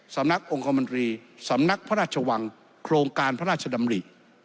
สำนักองคมนตรีสำนักพระราชวังโครงการพระราชดำริ